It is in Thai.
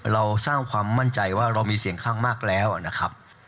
เราสร้างความมั่นใจว่าเรามีเสียงข้างมากแล้วนะครับ